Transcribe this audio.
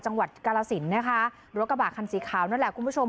จังหวัดกาลสินนะคะรถกระบะคันสีขาวนั่นแหละคุณผู้ชม